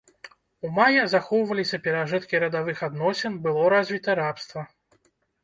У мая захоўваліся перажыткі радавых адносін, было развіта рабства.